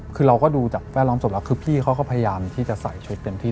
คือเราก็ดูจากแวดล้อมศพแล้วคือพี่เขาก็พยายามที่จะใส่ชุดเต็มที่